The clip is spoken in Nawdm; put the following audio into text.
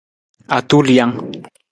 Atulijang.